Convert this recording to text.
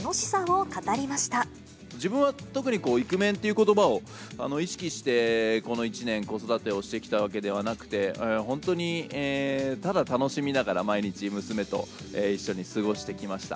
自分は特に、イクメンということばを意識して、この１年、子育てをしてきたわけではなくて、本当にただ楽しみながら、毎日、娘と一緒に過ごしてきました。